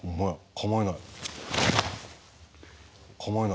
構えない。